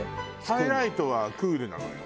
ハイライトはクールなのよ。